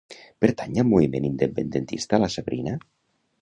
Pertany al moviment independentista la Sabrina?